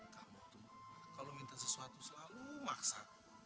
kamu tuh kalau minta sesuatu selalu maksa